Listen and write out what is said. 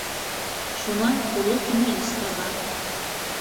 Шунан оло кинәнес таба.